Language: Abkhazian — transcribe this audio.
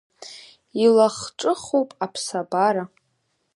Илах-ҿыхуп аԥсабара…